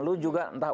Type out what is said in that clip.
tapi bukan apa apa